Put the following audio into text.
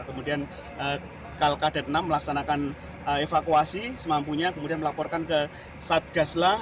kemudian kalkadet enam melaksanakan evakuasi semampunya kemudian melaporkan ke satgaslah